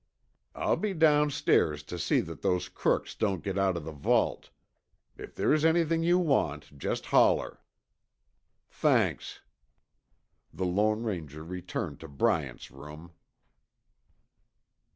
I'll be downstairs to see that those crooks don't get out of the vault. If there's anything you want, just holler." "Thanks." The Lone Ranger returned to Bryant's room.